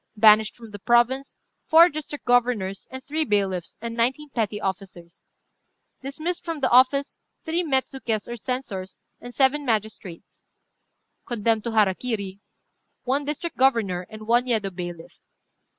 "Banished from the province, four district governors, and three bailiffs, and nineteen petty officers. "Dismissed from office, three metsukés, or censors, and seven magistrates. "Condemned to hara kiri, one district governor and one Yedo bailiff.